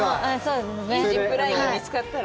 いいジップラインが見つかったら。